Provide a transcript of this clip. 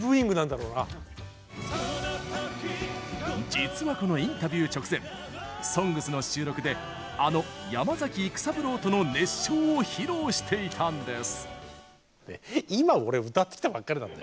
実は、このインタビュー直前「ＳＯＮＧＳ」の収録であの山崎育三郎との熱唱を披露していたんです！